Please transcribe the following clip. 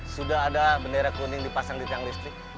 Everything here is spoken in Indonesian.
sudah ada bendera kuning dipasang di tiang listrik